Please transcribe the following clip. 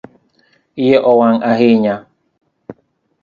Iye owang ahinya